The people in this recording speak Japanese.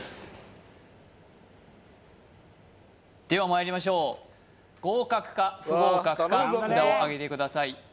ではまいりましょう合格か不合格か札をあげてください